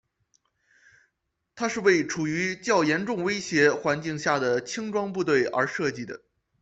它是为处于较严重威胁环境下的轻装部队而设计的。